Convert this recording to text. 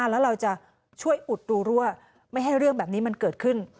แล้วเราจะช่วยอุดรูรั่วไม่ให้เรื่องแบบนี้มันเกิดขึ้น